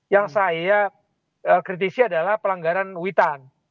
yang saya kritisi adalah pelanggaran witan